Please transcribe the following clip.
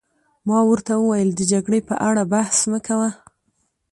ما ورته وویل: د جګړې په اړه بحث مه کوه.